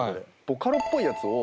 ボカロっぽいやつを。